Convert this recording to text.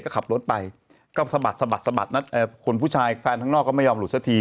คนผู้ชายแฟนหังนอกก็ไม่ยอมหลุดซะที